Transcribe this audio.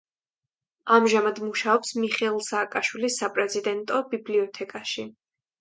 ამჟამად მუშაობს მიხეილ სააკაშვილის საპრეზიდენტო ბიბლიოთეკაში.